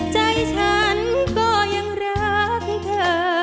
ใจฉันก็ยังรักเธอ